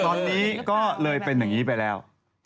ตอนนี้ก็เลยเป็นอย่างนี้ไปแล้ว